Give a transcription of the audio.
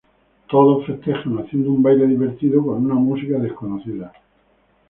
Todos festejan haciendo un baile divertido con una música desconocida.